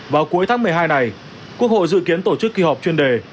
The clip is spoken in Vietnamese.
vào cuối tháng một mươi hai này quốc hội dự kiến tổ chức kỳ họp chuyên đề